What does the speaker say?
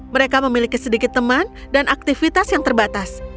mereka memiliki sedikit teman dan aktivitas yang terbatas